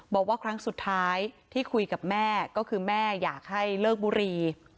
บอกว่าครั้งสุดท้ายที่คุยกับแม่ก็คือแม่อยากให้เลิกบุรี